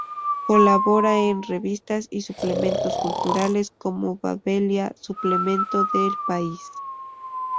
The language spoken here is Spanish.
Colabora en revistas y suplementos culturales como Babelia, suplemento de El País.